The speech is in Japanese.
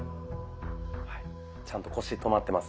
はいちゃんと腰止まってます。